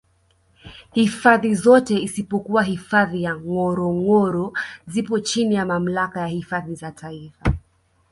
hifadhi zote isipokuwa hifadhi ya ngorongoro zipo chini ya Mamlaka ya hifadhi za taifa